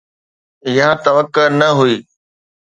اها توقع نه هئي.